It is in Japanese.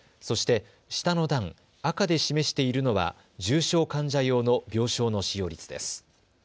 そして下の段、赤で示しているのは重症患者用の病床の使用率です。